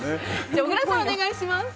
小倉さん、お願いします。